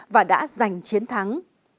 và đã giành chiến thắng